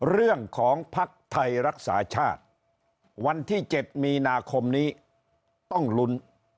ภักดิ์ไทยรักษาชาติวันที่๗มีนาคมนี้ต้องลุ้น